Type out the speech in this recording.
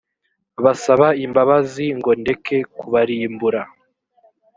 basaba imbabazi ngo ndeke kubarimbura